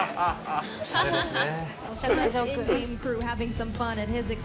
おしゃれですね。